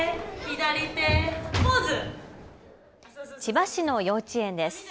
千葉市の幼稚園です。